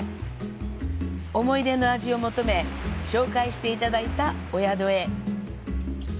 思い出の味を求め、紹介していただいたお宿へ。